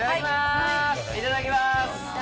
いただきまーす。